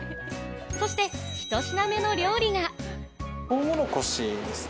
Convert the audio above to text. そして、ひと品目の料理が。